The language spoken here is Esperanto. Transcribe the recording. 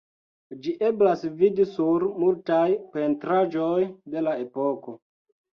Ĝin eblas vidi sur multaj pentraĵoj de la epoko.